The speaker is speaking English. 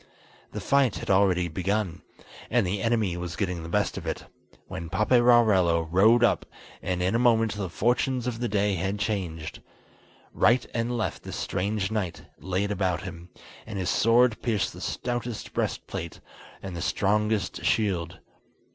The fight had already begun, and the enemy was getting the best of it, when Paperarello rode up, and in a moment the fortunes of the day had changed. Right and left this strange knight laid about him, and his sword pierced the stoutest breast plate, and the strongest shield.